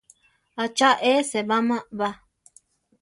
¿ʼA cha e sébama ba?